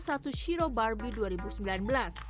satu shiro barbie dua ribu sembilan belas